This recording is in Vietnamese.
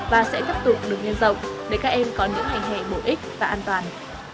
và sẽ tiếp tục được nghiên rộng để các em có những hành hệ bổ ích và an toàn